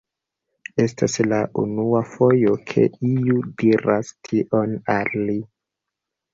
Estas la unua fojo ke iu diras tion al ri.